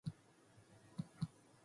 It was an aerodrome, and a secret one.